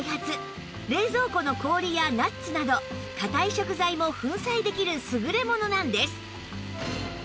冷蔵庫の氷やナッツなど硬い食材も粉砕できる優れものなんです